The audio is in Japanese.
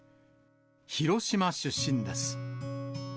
広島出身です。